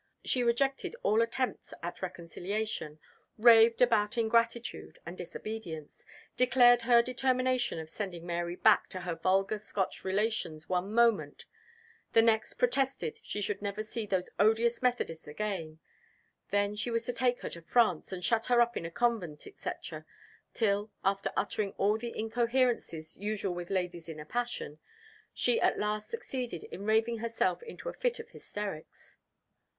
She rejected all attempts at reconciliation; raved about ingratitude and disobedience; declared her determination of sending Mary back to her vulgar Scotch relations one moment the next protested she should never see those odious Methodists again; then she was to take her to France, and shut her up in a convent, etc., till, after uttering all the incoherences usual with ladies in a passion, she at last succeeded in raving herself into a fit of hysterics.